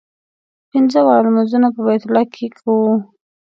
پنځه واړه لمونځونه په بیت الله کې کوو.